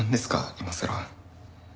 今さら。